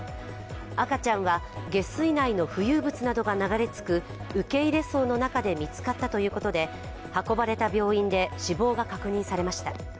赤ちゃんは、下水内の浮遊物などが流れ着く受入槽の中で見つかったということで、運ばれた病院で死亡が確認されました。